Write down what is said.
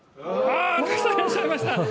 たくさんいらっしゃいました。